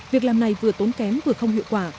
việc làm này vừa tốn kém vừa không hiệu quả